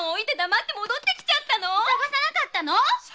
捜さなかったの！